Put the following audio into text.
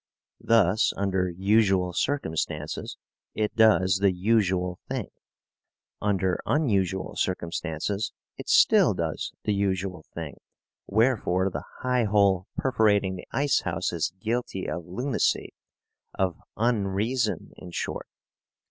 Thus, under usual circumstances, it does the usual thing. Under unusual circumstances it still does the usual thing, wherefore the highhole perforating the ice house is guilty of lunacy of unreason, in short.